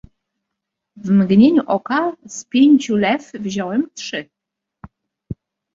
"W mgnieniu oka z pięciu lew wziąłem trzy."